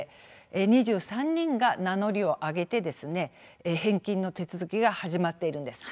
２３人が名乗りを上げ返金の手続きが始まっています。